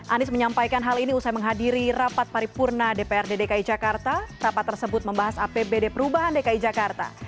anies menyampaikan hal ini usai menghadiri rapat paripurna dprd dki jakarta rapat tersebut membahas apbd perubahan dki jakarta